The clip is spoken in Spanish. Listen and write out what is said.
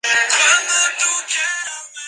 Vivió su infancia en Pichilemu.